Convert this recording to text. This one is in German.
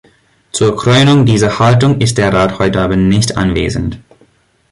Zur Krönung dieser Haltung ist der Rat heute abend nicht anwesend.